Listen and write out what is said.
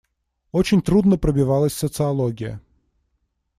Очень трудно пробивалась социология.